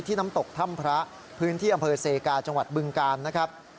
น้ำตกถ้ำพระพื้นที่อำเภอเซกาจังหวัดบึงกาลนะครับ